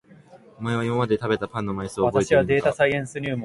お前は今まで食べたパンの枚数を覚えているのか？